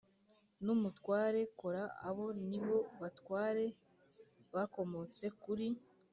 n umutware Kora Abo ni bo batware bakomotse kuri